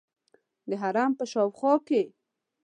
د حرم په شاوخوا کې.